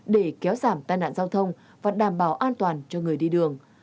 để kéo giảm tai nạn giao thông và đảm bảo an toàn cho người đi đường